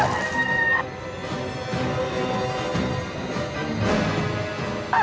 ออกให้รอวิ่งพัฒนา